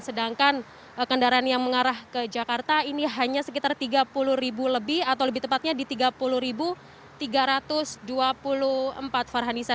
sedangkan kendaraan yang mengarah ke jakarta ini hanya sekitar tiga puluh lebih atau lebih tepatnya di tiga puluh tiga ratus dua puluh empat farhanisa